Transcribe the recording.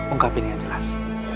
ungkapin yang jelas